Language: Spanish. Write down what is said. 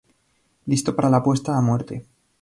Listo para la apuesta a muerte.